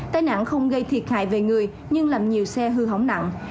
tai nạn không gây thiệt hại về người nhưng làm nhiều xe hư hỏng nặng